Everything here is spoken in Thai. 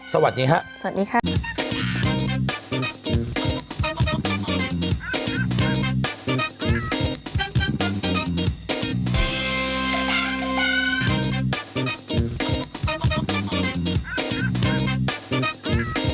สวัสดีครับสวัสดีครับสวัสดีครับ